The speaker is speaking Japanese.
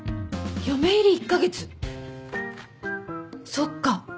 そっか。